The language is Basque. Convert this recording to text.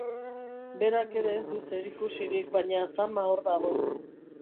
Berak ere ez du zerikusirik baina zama hor dago.